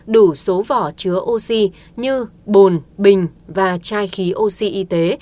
đủ số vỏ chứa oxy như bồn bình và chai khí oxy y tế